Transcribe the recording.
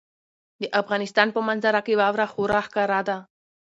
د افغانستان په منظره کې واوره خورا ښکاره ده.